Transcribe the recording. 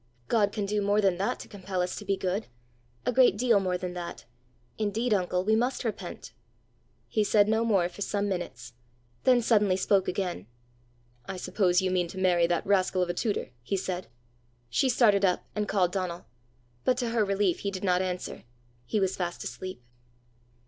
"God can do more than that to compel us to be good a great deal more than that! Indeed, uncle, we must repent." He said no more for some minutes; then suddenly spoke again. "I suppose you mean to marry that rascal of a tutor!" he said. She started up, and called Donal. But to her relief he did not answer: he was fast asleep.